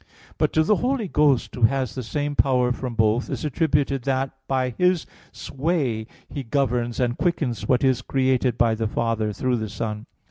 But to the Holy Ghost, Who has the same power from both, is attributed that by His sway He governs, and quickens what is created by the Father through the Son.